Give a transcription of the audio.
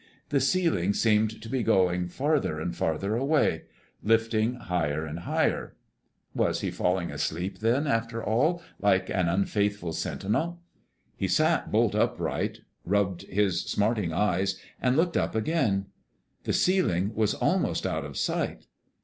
The ceiling seemed to be going farther and farther away, lifting higher and higher. Was he falling asleep then, after all, like an unfaithful sentinel? He sat bolt upright, rubbed his smarting eyes, and looked up again. The ceiling was almost out of sight.